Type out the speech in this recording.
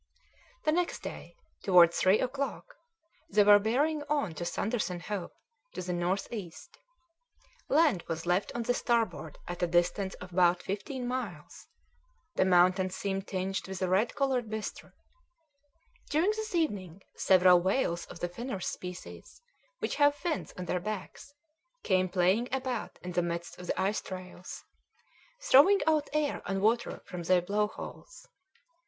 The next day, towards three o'clock, they were bearing on to Sanderson Hope to the north east. Land was left on the starboard at a distance of about fifteen miles; the mountains seemed tinged with a red coloured bistre. During the evening, several whales of the finners species, which have fins on their backs, came playing about in the midst of the ice trails, throwing out air and water from their blow holes.